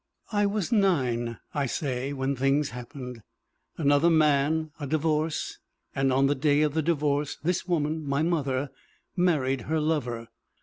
I was nine, I say, when things happened. Another man, a divorce, and on the day of the divorce this woman, my mother, married her lover.